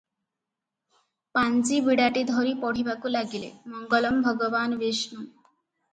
ପାଞ୍ଜିବିଡ଼ାଟି ଧରି ପଢ଼ିବାକୁ ଲାଗିଲେ - "ମଙ୍ଗଳଂ ଭଗବାନ ବିଷ୍ଣୁ"